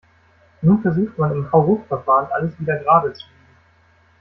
Nun versucht man im Hauruckverfahren, alles wieder gerade zu biegen.